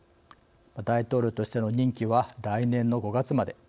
大統領としての任期は来年の５月まで。